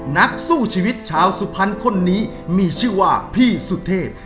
นักสู้ชีวิตชาวสุภัณฑ์คนนี้มีชีวาพี่สุเทพ